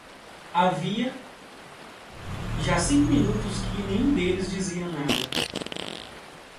Havia já cinco minutos que nenhum deles dizia nada.